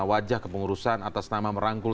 wajah kepengurusan atas nama merangkul